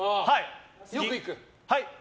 よく行く？